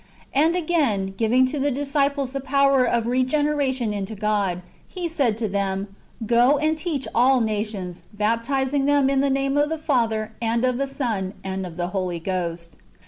"^ And again, giving to the disciples the power of regeneration into God,^ He ; said to them, " Go and teach all nations, baptizing them in ■ the name of the Father, and of the Son, and of the Holy i Ghost."